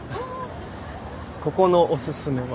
ここのおすすめは？